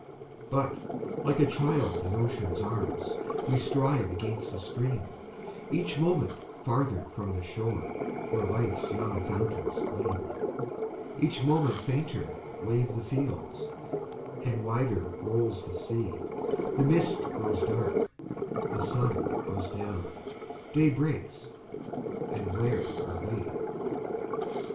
But, like a child in ocean's arms, We strive against the stream, Each moment farther from the shore Where life's young fountains gleam; Each moment fainter wave the fields, And wider rolls the sea; The mist grows dark, the sun goes down, Day breaks, and where are we?